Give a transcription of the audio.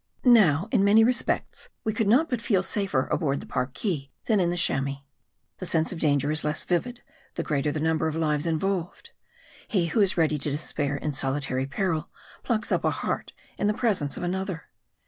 Now, in many respects we could not but feel safer aboard 132 M A R D I. the Parki than in the Chamois.. The sense of danger is less vivid, the greater the numher of lives involved. He who is ready to despair in solitary peril, plucks up a heart in the presence of another.